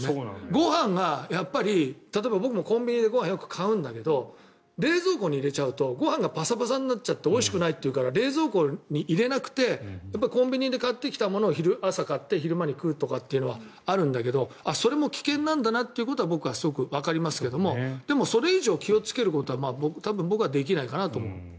ご飯が例えば僕もコンビニでよく買うんだけど冷蔵庫に入れるとご飯がぱさぱさになっておいしくないから冷蔵庫に入れなくてコンビニで買ってきたものを朝買って昼に食うのはあるんだけどそれも危険だなと僕はわかりますがでもそれ以上気をつけることは僕はできないかなと思う。